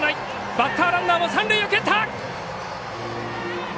バッターランナーも三塁を蹴った。